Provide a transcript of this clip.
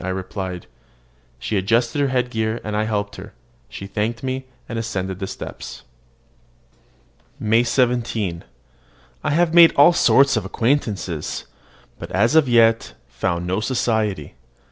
I replied. She adjusted her head gear, and I helped her. She thanked me, and ascended the steps. MAY 17. I have made all sorts of acquaintances, but have as yet found no society.